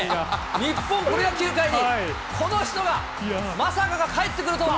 日本プロ野球界にこの人が、まさかが帰ってくるとは。